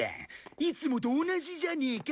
いつもと同じじゃねえか。